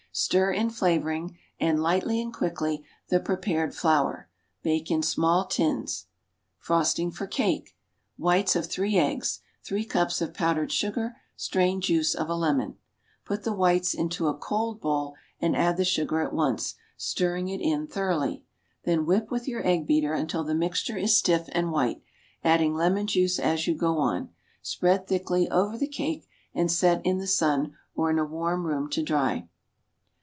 Stir in flavoring and, lightly and quickly, the prepared flour. Bake in small tins. Frosting for Cake. Whites of three eggs. Three cups of powdered sugar. Strained juice of a lemon. Put the whites into a cold bowl and add the sugar at once, stirring it in thoroughly. Then whip with your egg beater until the mixture is stiff and white, adding lemon juice as you go on. Spread thickly over the cake, and set in the sun, or in a warm room to dry.